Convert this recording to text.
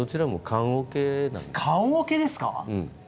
棺おけですか！？